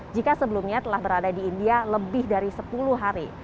jika sebelumnya telah berada di india lebih dari sepuluh hari